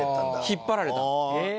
引っ張られたの。